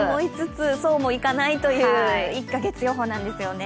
そうもいかないという１か月予報なんですよね。